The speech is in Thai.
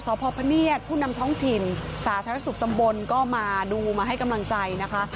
สพพเนียดผู้นำท้องถิ่นสาธารณสุขตำบลก็มาดูมาให้กำลังใจนะคะ